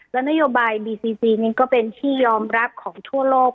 และนโยบายบีซีซีนี้ก็เป็นที่ยอมรับของทั่วโลก